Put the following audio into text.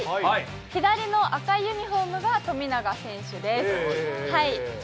左の赤いユニホームが富永選手です。